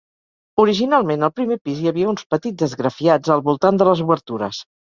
Originalment, al primer pis hi havia uns petits esgrafiats al voltant de les obertures.